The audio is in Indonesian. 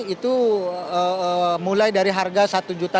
itu mulai dari harga rp satu lima ratus